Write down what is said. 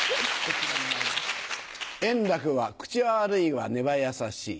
円楽は口は悪いが根は優しい。